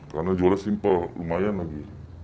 karena jualnya simpel lumayan lagi